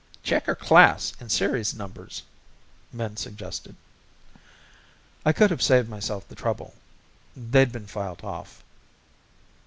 "Check her class and series numbers," Min suggested. I could have saved myself the trouble. They'd been filed off.